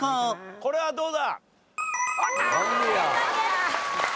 これはどうだ？